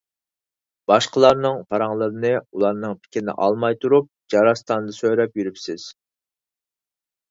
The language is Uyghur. باشقىلارنىڭ پاراڭلىرىنى ئۇلارنىڭ پىكىرىنى ئالماي تۇرۇپ جاراستاندا سۆرەپ يۈرۈپسىز.